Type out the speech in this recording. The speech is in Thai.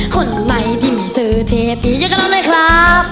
คนไหนที่ไม่สื่อเทพดีช่วยกับเราหน่อยครับ